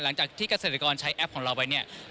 หลังจากที่เกษตรกรใช้แอปพลิเคชันของเราไป